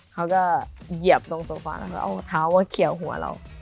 เขาก็เหยียบตรงโซฟ้าแล้วเขาเอาเท้ามาเขียวหัวเรา